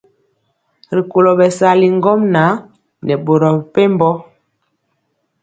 D@Rikolo bɛsali ŋgomnaŋ nɛ boro mepempɔ.